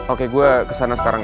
oke gue kesana sekarang